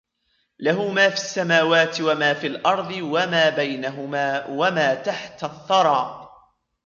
لَهُ مَا فِي السَّمَاوَاتِ وَمَا فِي الْأَرْضِ وَمَا بَيْنَهُمَا وَمَا تَحْتَ الثَّرَى